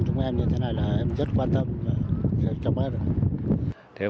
chúng em như thế này là em rất quan tâm